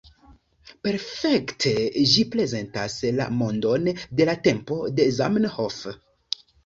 Perfekte ĝi prezentas la mondon de la tempo de Zamenhof.